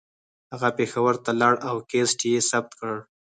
هغه پېښور ته لاړ او کیسټ یې ثبت کړه